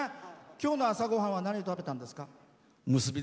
今日の朝ごはんは何を食べたんですか？